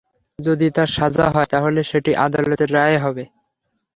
যদি তাঁর সাজা হয়, তাহলে সেটি আদালতের রায়ে হবে।